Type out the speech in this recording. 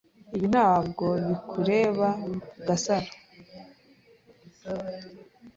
Ibi ntabwo bikureba, Gasaro.